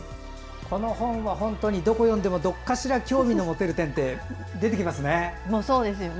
この本はどこを読んでもどこかしら興味を持てる点出てきますね。